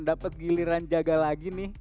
dapat giliran jaga lagi